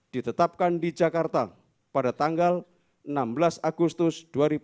ditetapkan di jakarta pada tanggal enam belas agustus dua ribu dua puluh